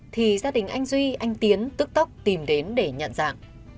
thì gia đình anh duy anh tiến tức tóc tìm đến để nhận dạng